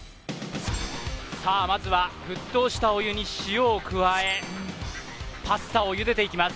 さあまずは沸騰したお湯に塩を加えパスタをゆでていきます